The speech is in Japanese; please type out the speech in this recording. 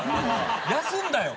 休んだよ！